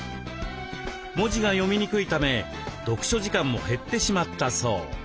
文字が読みにくいため読書時間も減ってしまったそう。